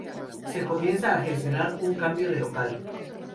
Se comienza a gestionar un cambio de local.